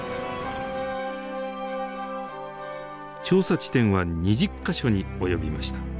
調査地点は２０か所に及びました。